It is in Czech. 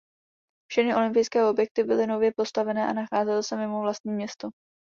Všechny olympijské objekty byly nově postavené a nacházely se mimo vlastní město.